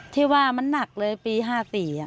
ที่ว่ามันหนักเลยปี๕๔